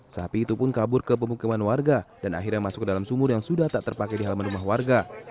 sapi itu pun kabur ke pemukiman warga dan akhirnya masuk ke dalam sumur yang sudah tak terpakai di halaman rumah warga